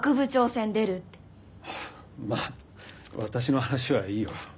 まあ私の話はいいよ。